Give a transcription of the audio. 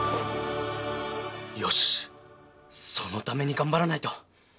よしそのために頑張らないと！